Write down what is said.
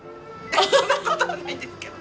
そんな事はないですけど。